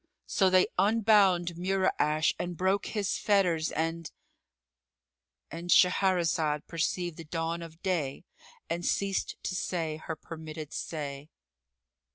So they unbound Mura'ash and broke his fetters and——And Shahrazad perceived the dawn of day and ceased to say her permitted say.